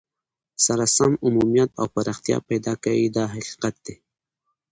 سره سم عمومیت او پراختیا پیدا کوي دا حقیقت دی.